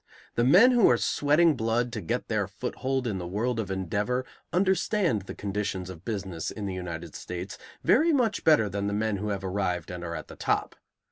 The men who are sweating blood to get their foothold in the world of endeavor understand the conditions of business in the United States very much better than the men who have arrived and are at the top.